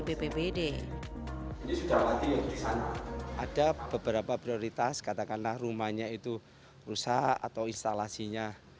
bbbd ini sudah mati ada beberapa prioritas katakanlah rumahnya itu rusak atau instalasinya